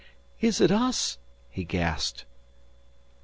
"Is it us?" he gasped.